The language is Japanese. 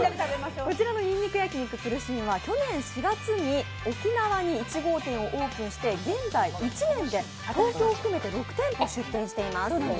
こちらのにんにく焼肉プルシンは去年４月に沖縄に１号店をオープンして、現在１年で、東京含めて６店舗出店しています。